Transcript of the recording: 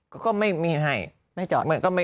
ก็ไม่ให้ไม่จอด